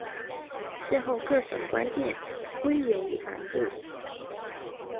嗣后各省官电归邮传部。